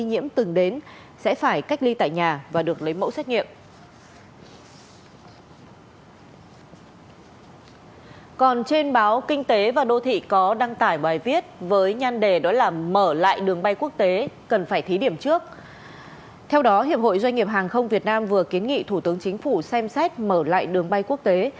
hiệp hội doanh nghiệp hàng không việt nam vừa kiến nghị thủ tướng chính phủ xem xét mở lại đường bay quốc tế